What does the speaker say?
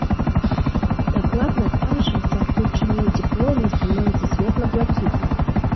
Дакладна так жа, дзякуючы медзі полымя становіцца светла-блакітным.